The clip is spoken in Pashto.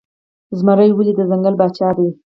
زمری ولې د ځنګل پاچا دی؟